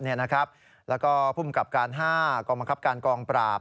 แล้วก็ภูมิกับการ๕กองบังคับการกองปราบ